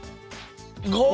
５！